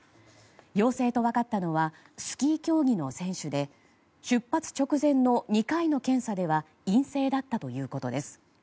陽性と分かったのはスキー競技の選手で出発直前の２回の検査では陰性だったということです。